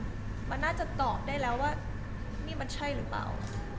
มันน่าจะตอบได้แล้วว่านี่มันใช่หรือเปล่า